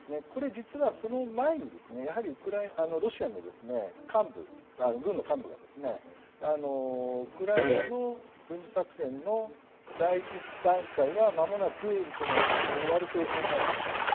実は、その前にロシアの軍の幹部がウクライナの軍事作戦の第１段階はまもなく終わるフェーズに入ると。